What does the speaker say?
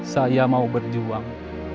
saya mau berjuang